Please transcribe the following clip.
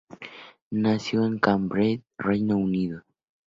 Nació en Cambridge, Reino Unido.